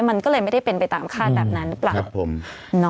มันก็เลยไม่ได้เป็นไปตามคาดแบบนั้นหรือเปล่าครับผม